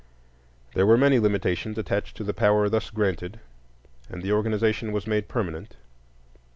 There were many limitations attached to the powers thus granted, and the organization was made permanent.